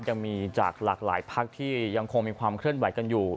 ยังมีจากหลากหลายพักที่ยังคงมีความเคลื่อนไหวกันอยู่